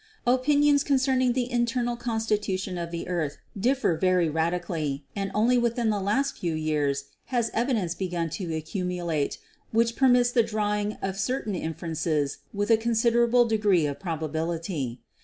Opinions concerning the internal constitution of the earth differ very radically and only within the last few years has evidence begun to accumulate which permits the drawing of certain inferences with a considerable degree of probability.